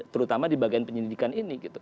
terutama di bagian pendidikan ini